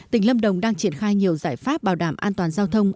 tỉnh lâm đồng đang triển khai nhiều giải pháp bảo đảm an toàn giao thông